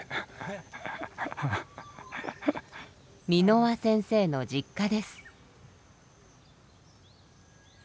蓑輪先生の実家です。